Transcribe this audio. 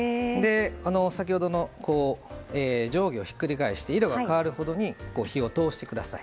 先ほどの上下をひっくり返して色が変わるほどに火を通してください。